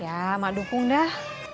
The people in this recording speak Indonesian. ya mak dukung dah